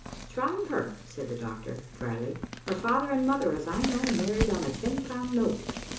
" Try her," said the doctor, drily. " Her father and mother, as I know, married on a ten pound note.